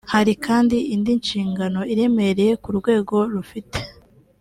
Hari kandi indi nshingano iremereye uru rwego rufite